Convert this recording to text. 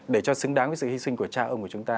để cho xứng đáng với sự hy sinh của cha ông của chúng ta